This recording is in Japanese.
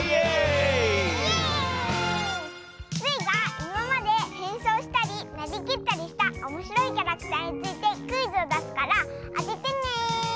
スイがいままでへんそうしたりなりきったりしたおもしろいキャラクターについてクイズをだすからあててね！